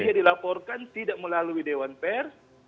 dia dilaporkan tidak melalui dewan pers